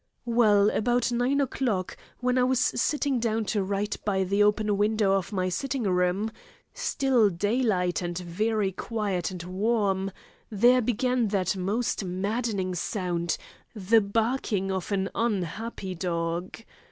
Well, about nine o'clock, when I was settling down to write by the open window of my sitting room—still daylight, and very quiet and warm—there began that most maddening sound, the barking of an unhappy dog.